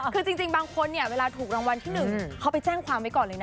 คือจริงบางคนเนี่ยเวลาถูกรางวัลที่๑เขาไปแจ้งความไว้ก่อนเลยนะ